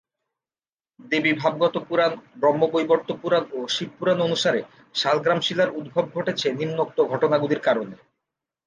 দেবীভাগবত পুরাণ, ব্রহ্মবৈবর্ত পুরাণ ও শিব পুরাণ অনুসারে শালগ্রাম শিলার উদ্ভব ঘটেছে নিম্নোক্ত ঘটনাগুলির কারণে।